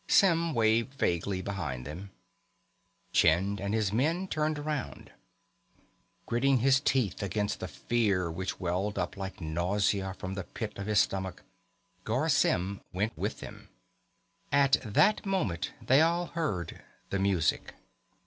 Symm waved vaguely behind them. Chind and his men turned around. Gritting his teeth against the fear which welled up like nausea from the pit of his stomach, Garr Symm went with them. At that moment they all heard the music.